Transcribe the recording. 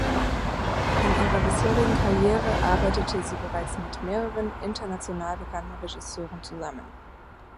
In ihrer bisherigen Karriere arbeitete sie bereits mit mehreren international bekannten Regisseuren zusammen.